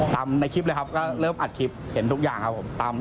ในคลิปเลยครับก็เริ่มอัดคลิปเห็นทุกอย่างครับผม